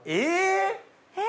え！